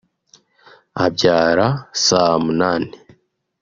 abyara saa munani